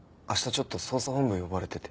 ちょっと捜査本部呼ばれてて。